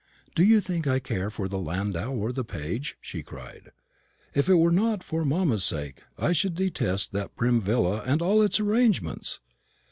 "Do you think I care for the landau or the page?" she cried. "If it were not for mamma's sake, I should detest that prim villa and all its arrangements.